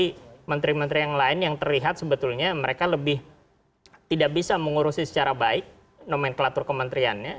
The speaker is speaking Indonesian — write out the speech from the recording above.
jadi menteri menteri yang lain yang terlihat sebetulnya mereka lebih tidak bisa mengurusi secara baik nomenklatur kementeriannya